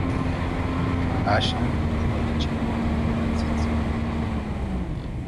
Axan omonichicohqueh tenantzitzin